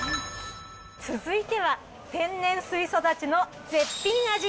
続いては、天然水育ちの絶品味。